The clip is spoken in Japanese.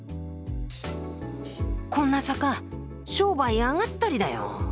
こんな坂商売上がったりだよ。